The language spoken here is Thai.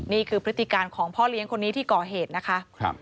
พฤติการของพ่อเลี้ยงคนนี้ที่ก่อเหตุนะคะ